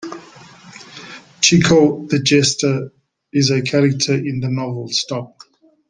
Chicot the Jester is a character in the novel.